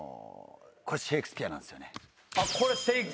シェイクスピアなんですよね。